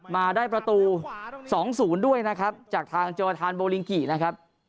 มาได้ประตู๒๐ด้วยนะครับจากทางโจทานโบลิงกินะครับ